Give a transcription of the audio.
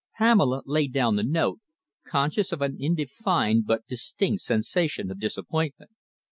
Pamela laid down the note, conscious of an indefined but distinct sensation of disappointment.